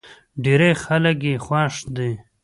ډېری خلک يې خوښ دی.